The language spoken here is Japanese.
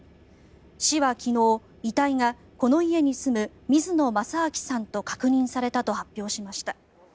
市は昨日、遺体がこの家に住む水野真彰さんと確認されたと発表しました。